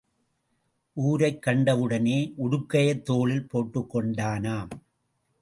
ஊரைக் கண்டவுடனே உடுக்கையைத் தோளில் போட்டுக் கொண்டானாம்.